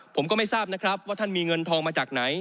ผมก็ไม่ทราบนะครับว่าท่านมีเงินทองมาจากไหน